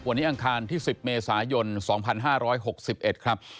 วันนี้อังคารที่๑๐เมษายน๒๕๖๑ครับ